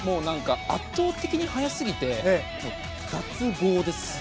圧倒的に速すぎて脱帽です。